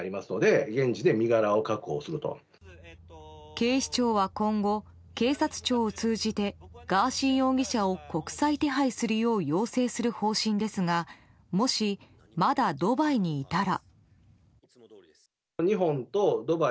警視庁は今後、警察庁を通じてガーシー容疑者を国際手配するよう要請する方針ですがもし、まだドバイにいたら。